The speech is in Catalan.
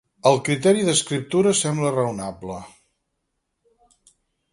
El criteri d'escriptura sembla raonable.